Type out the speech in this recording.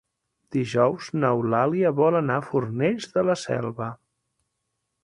Dijous n'Eulàlia vol anar a Fornells de la Selva.